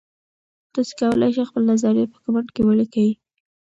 تاسي کولای شئ خپل نظریات په کمنټ کې ولیکئ.